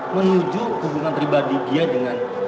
menuju hubungan pribadi dia dengan